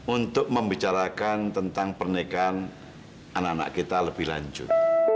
untuk membicarakan tentang pernikahan anak anak kita lebih lanjut